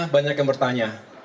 banyak yang bertanya